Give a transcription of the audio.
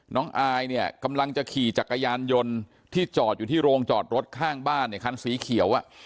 อายเนี่ยกำลังจะขี่จักรยานยนต์ที่จอดอยู่ที่โรงจอดรถข้างบ้านเนี่ยคันสีเขียวอ่ะ